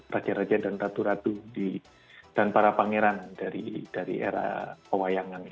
raja raja dan ratu ratu dan para pangeran dari era pewayangan